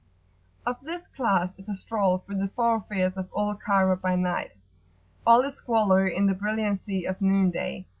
Of this class is a stroll through the thoroughfares of old Cairo by night. All is squalor in the brilliancy of noon day.